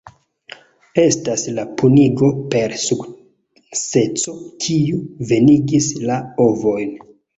Estas la kunigo per sekseco kiu venigis la ovojn.